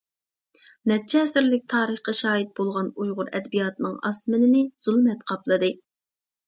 نەچچە ئەسىرلىك تارىخقا شاھىت بولغان ئۇيغۇر ئەدەبىياتىنىڭ ئاسمىنىنى زۇلمەت قاپلىدى.